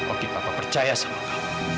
oke papa percaya sama kamu